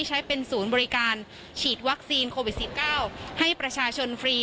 ใช้เป็นศูนย์บริการฉีดวัคซีนโควิด๑๙ให้ประชาชนฟรี